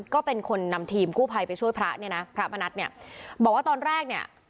ก็เป็นคนนำทีมกู้ภัยไปช่วยพระเนี่ยนะพระมณัฐเนี่ยบอกว่าตอนแรกเนี่ย